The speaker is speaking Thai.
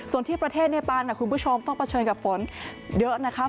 ส่วนที่ประเทศเนปานคุณผู้ชมต้องเผชิญกับฝนเยอะนะคะ